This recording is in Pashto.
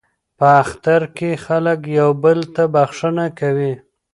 په اختر کې خلک یو بل ته بخښنه کوي.